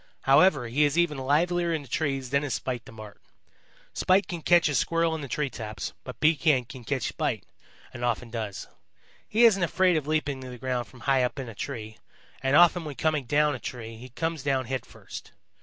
However, he is even livelier in the trees than is Spite the Marten. Spite can catch a Squirrel in the tree tops, but Pekan can catch Spite, and often does. He isn't afraid of leaping to the ground from high up in a tree, and often when coming down a tree he comes down headfirst.